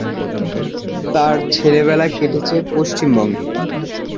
তার ছেলেবেলা কেটেছে পশ্চিমবঙ্গে।